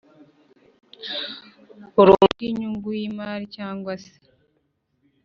burundu inyungu y imari cyangwa se